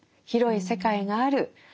広い世界がある。